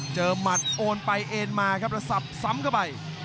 หมัดโอนไปโอนมาครับแล้วสับซ้ำเข้าไป